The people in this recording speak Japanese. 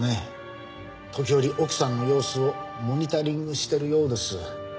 時折奥さんの様子をモニタリングしてるようです。